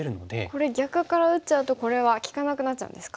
これ逆から打っちゃうとこれは利かなくなっちゃうんですか。